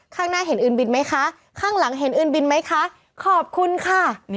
ข้างหน้าเห็นอื่นบินไหมคะข้างหลังเห็นอื่นบินไหมคะขอบคุณค่ะ